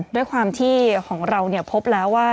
ด้วยความที่ของเราพบแล้วว่า